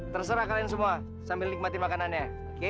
terserah kalian semua sambil nikmatin makanannya oke